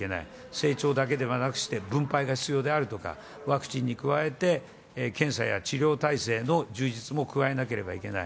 成長だけではなくして分配が必要であるとか、ワクチンに加えて、検査や治療体制の充実も加えなければいけない。